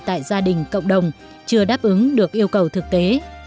tại gia đình cộng đồng chưa đáp ứng được yêu cầu thực tế